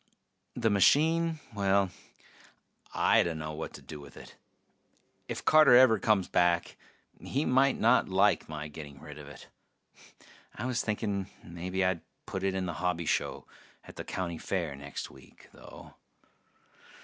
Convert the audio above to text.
The machine? Well, I dunno what to do with it. If Carter ever comes back he might not like my getting rid of it. I was thinking mebbe I'd put it in the hobby show at the county fair next week, though.